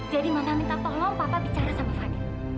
jadi mama minta tolong papa bicara sama fadhil